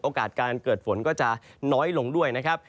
การเกิดฝนก็จะน้อยลงด้วยนะครับ